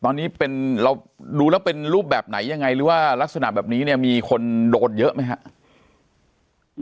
ตอนนี้เราดูแล้วเป็นรูปแบบไหนยังไงหรือว่ารักษณะแบบนี้เนี่ยมีคนโดนเยอะไหมครับ